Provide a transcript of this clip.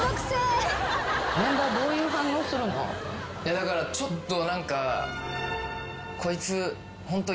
だからちょっと何か。